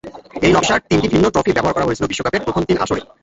একই নকশার তিনটি ভিন্ন ট্রফি ব্যবহার করা হয়েছিল বিশ্বকাপের প্রথম তিন আসরে।